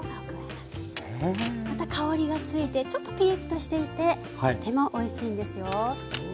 また香りがついてちょっとぴりっとしていてとてもおいしいんですよ。